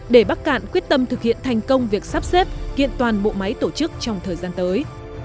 để bắc cạn quyết tâm thực hiện thành công việc sắp xếp kiện toàn bộ máy tổ chức trong thời gian tới